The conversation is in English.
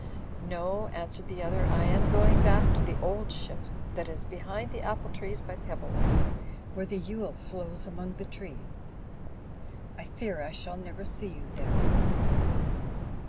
"No," answered the other, "I am going back to The Old Ship' that is behind the apple trees by Pebble wick ; where the XJle flows among the trees. I fear I shall never see you there."